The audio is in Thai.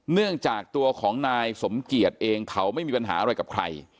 เนื่องจากตัวของนายสมเกียจเองเขาไม่มีปัญหาอะไรกับใคร